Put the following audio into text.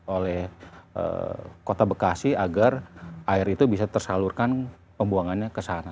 oleh kota bekasi agar air itu bisa tersalurkan pembuangannya ke sana